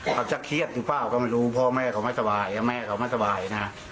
เขาจะเครียดหรือเปล่าก็ไม่รู้พ่อแม่เขาไม่สบายแม่เขาไม่สบายนะ